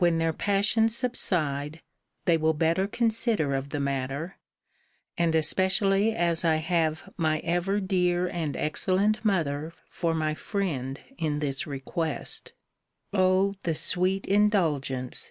When their passions subside, they will better consider of the matter; and especially as I have my ever dear and excellent mother for my friend in this request! O the sweet indulgence!